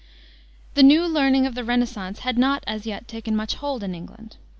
The new learning of the Renascence had not, as yet, taken much hold in England.